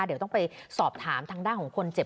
เดี๋ยวต้องไปสอบถามทางด้านของคนเจ็บ